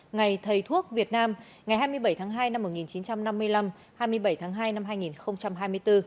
ngày thầy thuốc việt nam ngày hai mươi bảy tháng hai năm một nghìn chín trăm năm mươi năm hai mươi bảy tháng hai năm hai nghìn hai mươi bốn